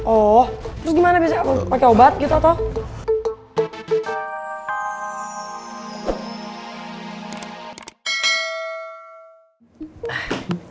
oh terus gimana biasanya pake obat gitu atau